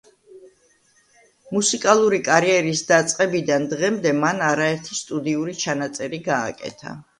მუსიკალური კარიერის დაწყებიდან დღემდე მან არაერთი სტუდიური ჩანაწერი გააკეთა.